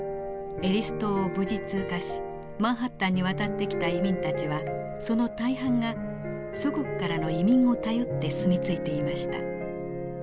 エリス島を無事通過しマンハッタンに渡ってきた移民たちはその大半が祖国からの移民を頼って住み着いていました。